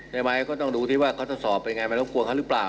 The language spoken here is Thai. ใช่ไหมก็ต้องดูที่ว่าเขาจะสอบเป็นอย่างไรมันต้องกลัวเขาหรือเปล่า